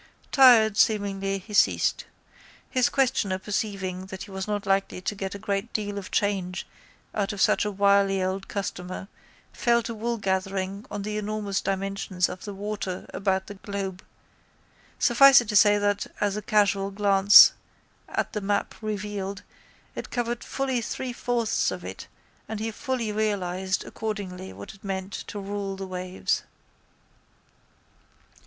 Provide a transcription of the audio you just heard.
Tired seemingly, he ceased. His questioner perceiving that he was not likely to get a great deal of change out of such a wily old customer, fell to woolgathering on the enormous dimensions of the water about the globe, suffice it to say that, as a casual glance at the map revealed, it covered fully three fourths of it and he fully realised accordingly what it meant to rule the waves.